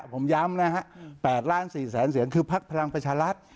ผมย้ำนะฮะ๘ล้าน๔แสนเสียงคือพักพลังประชารัฐ